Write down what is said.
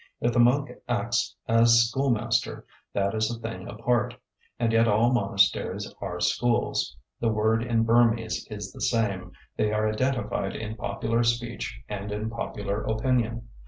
If the monk acts as schoolmaster, that is a thing apart. And yet all monasteries are schools. The word in Burmese is the same; they are identified in popular speech and in popular opinion.